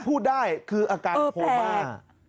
พูดได้คืออาการโคม่า